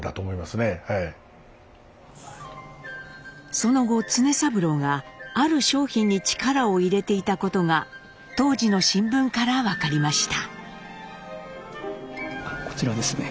その後常三郎がある商品に力を入れていたことが当時の新聞から分かりました。